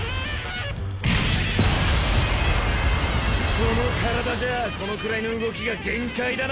その体じゃこのくらいの動きが限界だな。